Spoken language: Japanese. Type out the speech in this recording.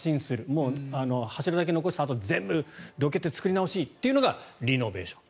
もう柱だけ残してあとは全部どけて作り直しというのがリノベーション。